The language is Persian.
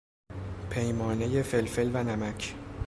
پیمانه فلفل و نمک